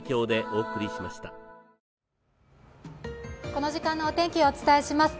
この時間のお天気をお伝えします。